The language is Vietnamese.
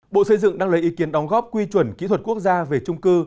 bộ xây dựng đang lấy ý kiến đóng góp quy chuẩn kỹ thuật quốc gia về trung cư